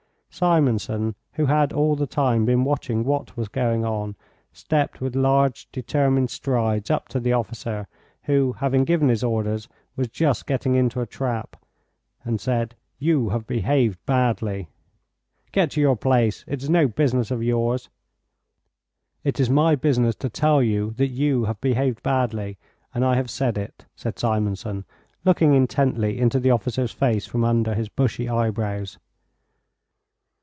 Simonson, who had all the time been watching what was going on, stepped with large, determined strides up to the officer, who, having given his orders, was just getting into a trap, and said, "You have behaved badly." "Get to your place; it is no business of yours." "It is my business to tell you that you have behaved badly and I have said it," said Simonson, looking intently into the officer's face from under his bushy eyebrows.